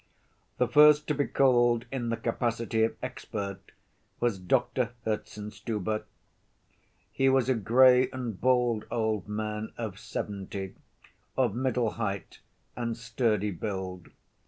The first to be called in the capacity of expert was Doctor Herzenstube. He was a gray and bald old man of seventy, of middle height and sturdy build.